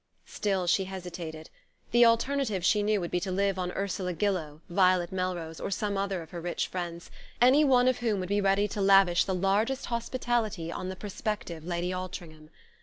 Still she hesitated. The alternative, she knew, would be to live on Ursula Gillow, Violet Melrose, or some other of her rich friends, any one of whom would be ready to lavish the largest hospitality on the prospective Lady Altringham.